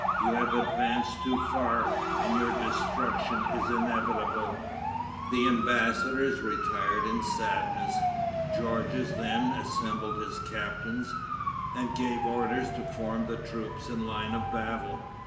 You have advanced too far, and your destruction is inevitable." The embassadors retired in sadness. Georges then assembled his captains, and gave orders to form the troops in line of battle.